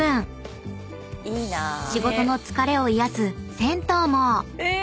［仕事の疲れを癒やす銭湯も］